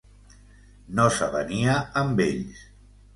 No s'avenia amb ells.